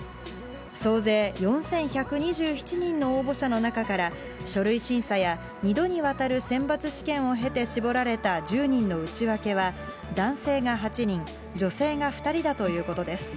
総勢４１２７人の応募者の中から、書類審査や、２度にわたる選抜試験を経て絞られた１０人の内訳は、男性が８人、女性が２人だということです。